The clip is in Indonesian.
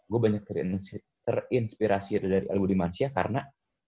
gue banyak terinspirasi dari ali budi mansyah karena